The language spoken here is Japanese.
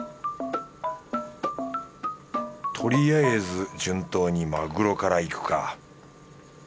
とりあえず順当にマグロからいくか